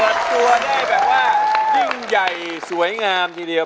ตัวได้แบบว่ายิ่งใหญ่สวยงามทีเดียว